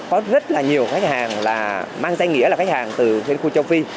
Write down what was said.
có rất là nhiều khách hàng là mang danh nghĩa là khách hàng từ liên khu châu phi